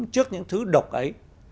chúng trước những thứ độc ấy